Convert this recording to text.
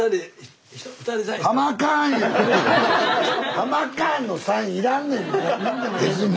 ハマカーンのサイン要らんねん俺は。